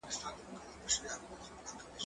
زه به سبا سينه سپين کوم!؟